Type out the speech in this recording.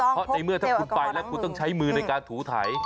เพราะในเมื่อถ้าคุณไปแล้วคุณต้องใช้มือในการถูไถ